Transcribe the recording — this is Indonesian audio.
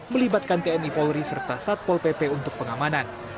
melibatkan tni polri serta satpol pp untuk pengamanan